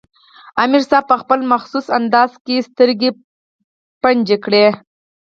امیر صېب پۀ خپل مخصوص انداز کښې سترګې بنجې کړې